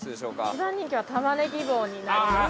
・一番人気は玉ねぎ棒になります。